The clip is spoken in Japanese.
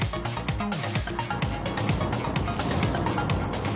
うん？